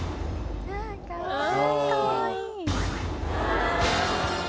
「かわいい」